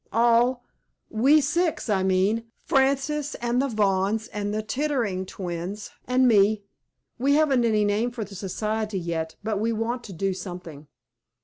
"All we six, I mean Frances and the Vaughns, and the 'Tittering Twins,' and me. We haven't any name for the society yet, but we want to do something."